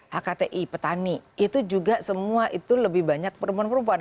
hkti petani itu juga semua itu lebih banyak perempuan perempuan